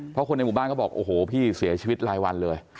เพราะคนในหมู่บ้านเขาบอกโอ้โหพี่เสียชีวิตรายวันเลย